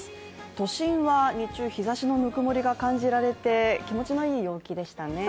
都心は日中、日ざしのぬくもりが感じられて気持ちのいい陽気でしたね。